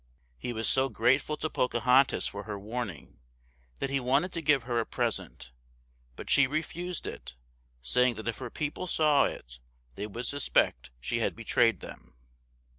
He was so grateful to Pocahontas for her warning that he wanted to give her a present; but she refused it, saying that if her people saw it they would suspect she had betrayed them.